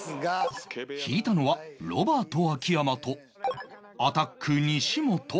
引いたのはロバート秋山とアタック西本